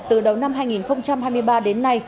từ đầu năm hai nghìn hai mươi ba đến nay